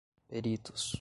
peritos